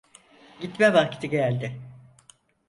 Gitme vakti geldi.